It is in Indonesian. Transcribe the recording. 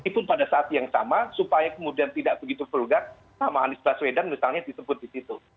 pun pada saat yang sama supaya kemudian tidak begitu vulgar nama anies baswedan misalnya disebut di situ